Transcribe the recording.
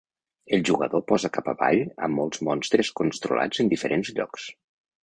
El jugador posa cap avall a molts monstres controlats en diferents llocs.